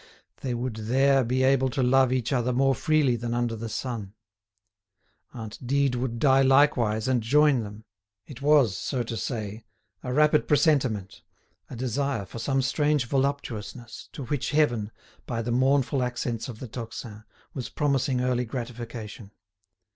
They would there be able to love each other more freely than under the sun. Aunt Dide would die likewise and join them. It was, so to say, a rapid presentiment, a desire for some strange voluptuousness, to which Heaven, by the mournful accents of the tocsin, was promising early gratification.